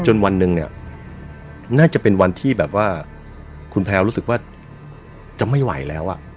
วันหนึ่งเนี่ยน่าจะเป็นวันที่แบบว่าคุณแพลวรู้สึกว่าจะไม่ไหวแล้ว